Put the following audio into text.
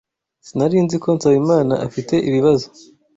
Sinari nzi ko Nsabimana afite ibibazo.